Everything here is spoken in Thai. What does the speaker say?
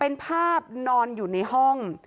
เป็นภาพนอนอยู่ในห้อง